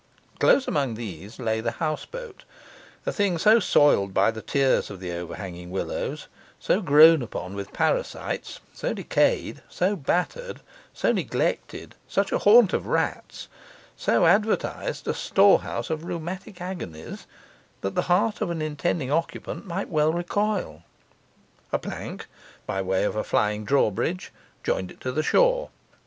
Close among these lay the houseboat, a thing so soiled by the tears of the overhanging willows, so grown upon with parasites, so decayed, so battered, so neglected, such a haunt of rats, so advertised a storehouse of rheumatic agonies, that the heart of an intending occupant might well recoil. A plank, by way of flying drawbridge, joined it to the shore.